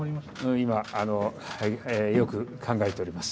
今、よく考えております。